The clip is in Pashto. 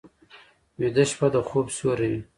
ویده شپه د خوب سیوری وي